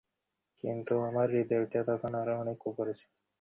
কিন্তু, আমার হৃদয়টা তখন আরো অনেক উপরে ছিল।